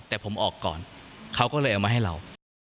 แต่ผมออกก่อนเขาก็เลยเอามาให้เรา